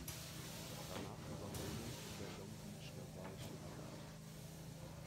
Danach Überholung in der Long Beach Naval Shipyard.